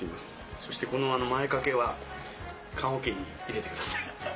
そしてこの前掛けは棺おけに入れてください。